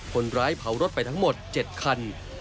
คนร้ายเผารถไปทั้งหมด๗คัน